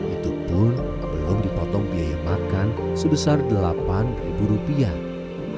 itu pun belum dipotong biaya makan sebesar delapan ribu rupiah